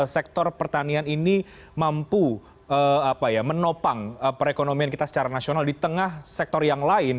sektor pertanian ini mampu menopang perekonomian kita secara nasional di tengah sektor yang lain